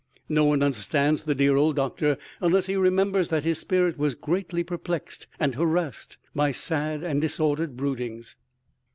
No one understands the dear old doctor unless he remembers that his spirit was greatly perplexed and harassed by sad and disordered broodings.